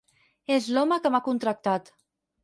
És l'home que m'ha contractat.